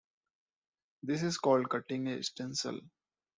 This is called cutting a stencil.